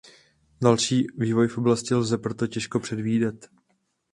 Další vývoj v oblasti lze proto těžko předvídat.